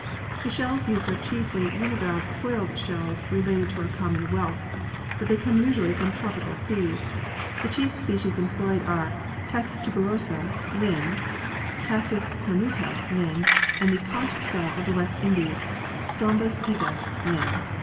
The shells used are chiefly univalve coiled shells related to our common whelk, but they come usually from tropical seas. The chief species employed are ix] PEARLS IN JEWELLERY, ETC. 123 Cassis tuberosa Linn., Cassis cornuta Linn., and the " conch " shell of the West Indies Strombus giyas Linn.